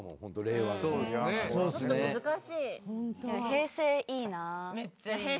平成いい。